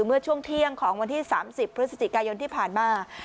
เมื่อช่วงเที่ยงของวันที่๓๐พฤศจิกายนที่ผ่านมา